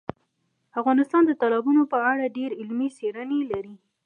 افغانستان د تالابونو په اړه ډېرې علمي څېړنې لري.